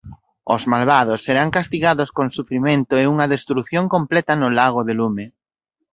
Os malvados serán castigados con sufrimento e unha destrución completa no lago de lume.